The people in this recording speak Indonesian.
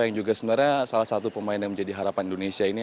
yang juga sebenarnya salah satu pemain yang menjadi harapan indonesia ini